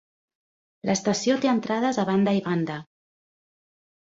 L'estació té entrades a banda i banda.